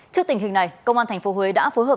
trước tình hình này công an tp huế đã phối hợp